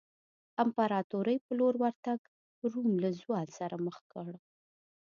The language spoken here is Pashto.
امپراتورۍ په لور ورتګ روم له زوال سره مخ کړ.